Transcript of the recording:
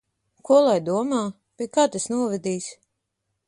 Ko lai domā? Pie kā tas novedīs?